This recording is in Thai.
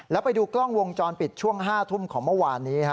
แล้วไปดูกล้องวงจรปิดช่วง๕ทุ่มของเมื่อวานนี้